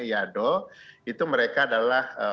iado itu mereka adalah